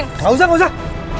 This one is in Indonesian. nggak usah nggak usah